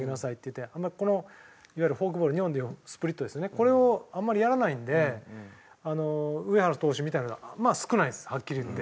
これをあんまりやらないんで上原投手みたいなのは少ないですはっきり言って。